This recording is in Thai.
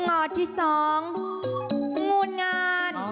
งอที่สองงูดงาน